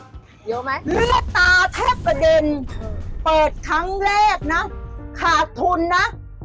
เรียกตาแทบประเด็นเปิดครั้งแรกนะหาทุนนะ